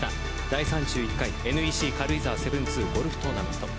第３２回ＮＥＣ軽井沢７２ゴルフトーナメント。